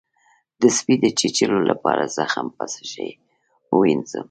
د سپي د چیچلو لپاره زخم په څه شی ووینځم؟